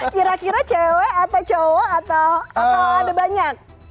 kira kira cewek atau cowok atau ada banyak